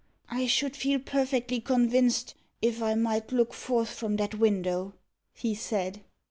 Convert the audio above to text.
"I should feel perfectly convinced, if I might look forth from that window," he said.